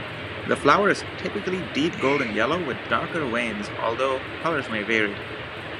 The flower is typically deep golden yellow with darker veins, although colors may vary.